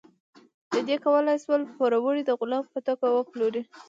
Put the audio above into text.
دوی کولی شول پوروړی د غلام په توګه وپلوري.